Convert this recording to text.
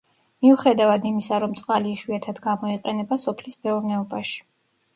მიუხედავად იმისა, რომ წყალი იშვიათად გამოიყენება სოფლის მეურნეობაში.